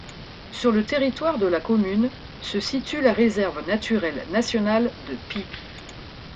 Sur le territoire de la commune se situe la réserve naturelle nationale de Py.